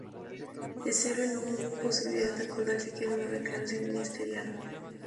En Seattle no hubo posibilidad de acordar siquiera un Declaración Ministerial.